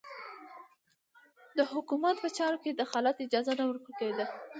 د حکومت په چارو کې د دخالت اجازه نه ورکول کېده.